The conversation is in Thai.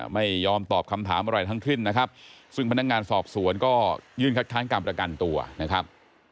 ไม่ยอมตอบคำถามอะไรทั้งสิ้นนะครับซึ่งพนักงานสอบสวนก็ยื่นคัดค้านการประกันตัวนะครับ